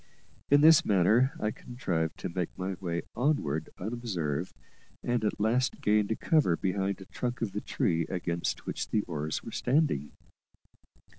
In this manner I contrived to make my way onward unobserved, and at last gained a cover behind the trunk of the tree against which the oars were standing.